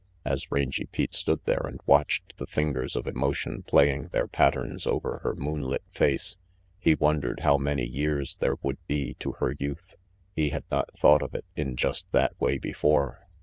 As Rangy Pete stood there and watched the fingers of emotion playing their patterns over her moon lit face, he wondered how many years there would be to her youth. He had not thought of it in just that way before.